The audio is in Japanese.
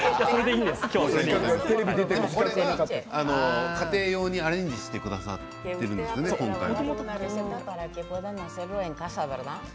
でもこれを家庭用にアレンジしてくださっているんですよね今回は。